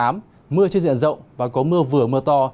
mưa trên diện rộng và có mưa vừa mưa to